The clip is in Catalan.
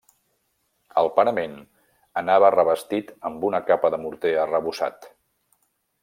El parament anava revestit amb una capa de morter arrebossat.